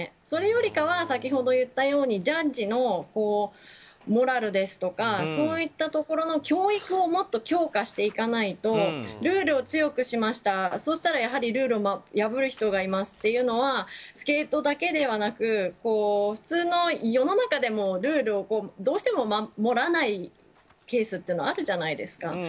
それよりかはジャッジのモラルですとかそういったところの教育をもっと強化していかないとルールを強くしましたそうしたらやはりルール破る人がいますっていうのはスケートだけではなく普通の世の中でもルールをどうしても守らないケースというのはあるじゃないですか。